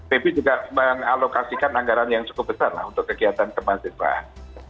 pb juga mengalokasikan anggaran yang cukup besar lah untuk kegiatan kemahasiswaan